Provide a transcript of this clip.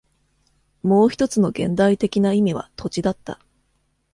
もう一つの現代的な意味は土地だった。